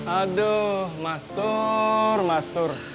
aduh mas tur mas tur